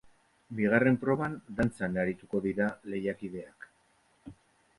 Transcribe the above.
Bigarren proban, dantzan arituko dira lehiakideak.